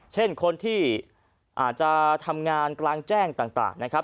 เช่นคนที่อาจจะทำงานกลางแจ้งต่างนะครับ